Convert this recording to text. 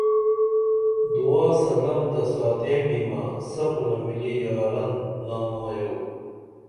دعا سلم تہ ساتیں بیمہ سپُنہ مِلی یاران نامایو